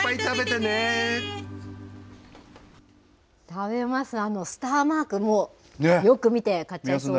食べます、あのスターマーク、もう、よく見て買っちゃいそうですね。